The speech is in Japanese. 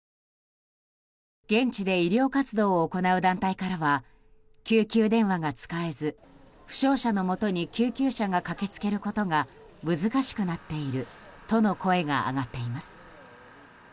現地で医療活動を行う団体からは救急電話が使えず負傷者のもとに救急車が駆けつけることが難しくなっているとの声が上がっています。